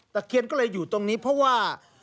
เคียนก็เลยอยู่ตรงนี้เพราะว่า